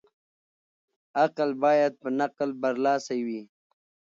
عقل بايد په نقل برلاسی وي.